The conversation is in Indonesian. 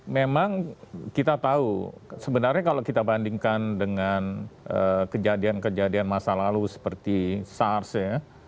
memang kita tahu sebenarnya kalau kita bandingkan dengan kejadian kejadian masa lalu seperti sars ya